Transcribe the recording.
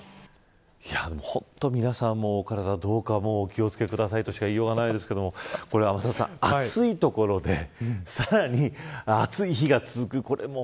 皆さん、お体お気を付けくださいとしか言いようがないですけど天達さん暑い所でさらに暑い日が続く。